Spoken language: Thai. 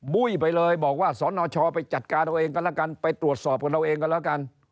บุ้ยไปเลยบอกว่าสอนอชอไปจัดการเราเองกันละกันไปตรวจสอบกันเราเองกันละกัน